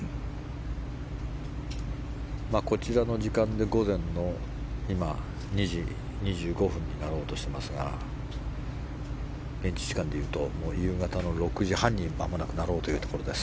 こちらの時間で午前２時２５分になろうとしていますが現地時間でいうと夕方の６時半になろうというところです。